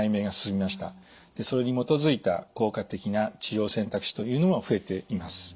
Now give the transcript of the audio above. それに基づいた効果的な治療選択肢というのも増えています。